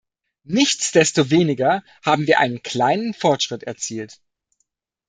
Nichtsdestoweniger haben wir einen kleinen Fortschritt erzielt.